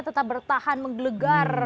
tetap bertahan menggelegar